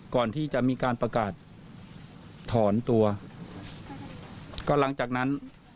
ก่อนที่จะมีการประกาศถอนตัวก็หลังจากนั้น